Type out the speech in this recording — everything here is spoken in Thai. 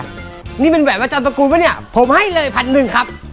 นี่เป็นแหวนอาจารย์ตระกูลปะเนี่ยผมให้เลยพันหนึ่งครับ